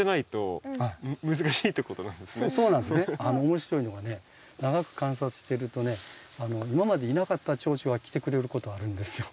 面白いのはね長く観察してるとね今までいなかったチョウチョが来てくれることあるんですよ。